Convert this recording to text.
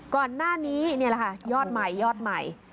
ก่อนหน้านี้นี่แหละค่ะยอดใหม่ยอดใหม่